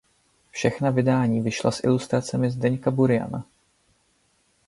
Všechna vydání vyšla s ilustracemi Zdeňka Buriana.